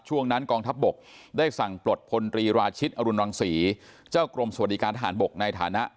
ช่วงนั้นกองทัพบกได้สั่งปลดพลตรีราชิตอรุณรังศรีเจ้ากรมสวัสดิการทหารบกในฐานะ